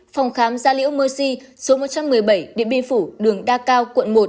phòng khám gia liễu mercy số một trăm một mươi bảy điện biên phủ đường đa cao quận một